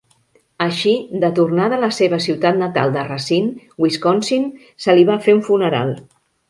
Així, de tornada a la seva ciutat natal de Racine, Wisconsin, se li va fer un funeral.